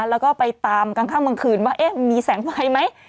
แล้วก็ไปตามข้างเมืองคืนว่าเอ๊ะมีแสงไฟไหม